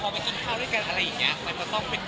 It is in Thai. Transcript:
ก็เลยเอาข้าวเหนียวมะม่วงมาปากเทียน